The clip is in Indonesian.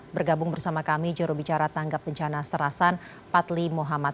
bergabung bersama kami jurubicara tangga bencana serasan patli muhammad